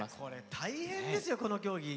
大変ですよ、この競技。